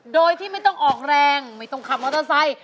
โดยที่ไม่ต้องออกแรงไม่ต้องขับมอเตอร์ไซค์